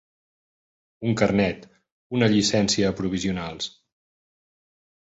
Un carnet, una llicència provisionals.